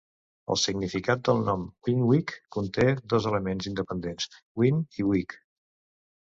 El significat del nom Winwick conté dos elements independents "Win" i "wic".